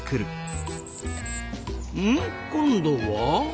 うん？今度は？